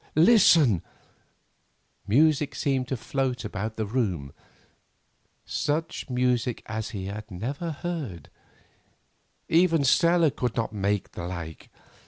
Listen! Music seemed to float about the room, such music as he had never heard—even Stella could not make the like.